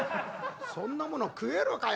「そんなもの食えるかよ！